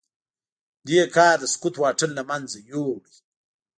دې کار د سکوت واټن له منځه يووړ.